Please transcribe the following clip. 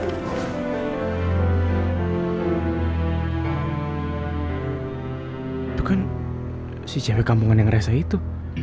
itu kan si cewek kampungan yang rese itu